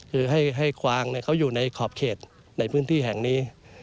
คือให้กวางเขาอยู่ในขอบเขตในพื้นที่แห่งนี้